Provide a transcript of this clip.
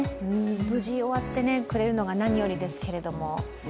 無事終わってくれるのが何よりですけど。